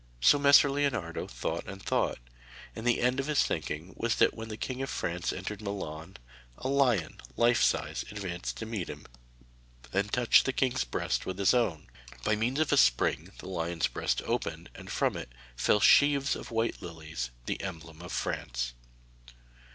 So Messer Leonardo thought and thought, and the end of his thinking was that when the King of France entered Milan, a lion, life size, advanced to meet him, and touched the king's breast with his own. By means of a spring the lion's breast opened and from it fell sheaves of white lilies, the emblem of France.